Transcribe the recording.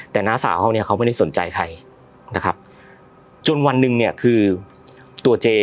แต่น้าสาวเขาเนี่ยเขาไม่ได้สนใจใครนะครับจนวันหนึ่งเนี่ยคือตัวเจ